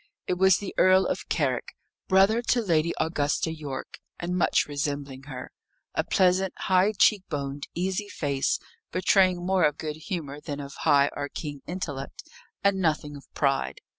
It was the Earl of Carrick, brother to Lady Augusta Yorke, and much resembling her a pleasant, high cheek boned, easy face, betraying more of good humour than of high or keen intellect, and nothing of pride.